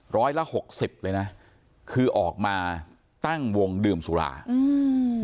ร้อยละหกสิบเลยนะคือออกมาตั้งวงดื่มสุราอืม